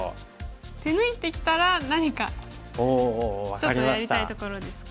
手抜いてきたら何かちょっとやりたいところですか。